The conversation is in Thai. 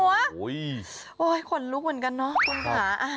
โอ้โหขนลุกเหมือนกันเนาะคุณค่ะ